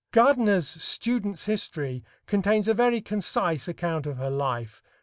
Gardiner's "Student's History" contains a very concise account of her life, pp.